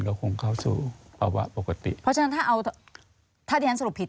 ก็คงเข้าสู่ภาวะปกติเพราะฉะนั้นถ้าเอาถ้าที่ฉันสรุปผิด